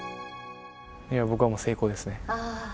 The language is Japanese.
いや、僕はもう成功ですね。